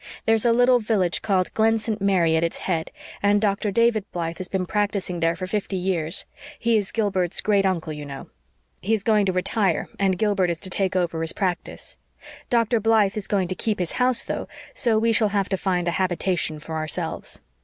There's a little village called Glen St. Mary at its head, and Dr. David Blythe has been practicing there for fifty years. He is Gilbert's great uncle, you know. He is going to retire, and Gilbert is to take over his practice. Dr. Blythe is going to keep his house, though, so we shall have to find a habitation for ourselves.